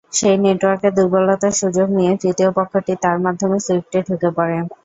সেই নেটওয়ার্কের দুর্বলতার সুযোগ নিয়ে তৃতীয় পক্ষটি তার মাধ্যমে সুইফটে ঢুকে পড়ে।